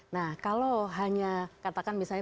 nah kalau hanya katakan misalnya